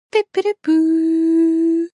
私は真面目な学生だ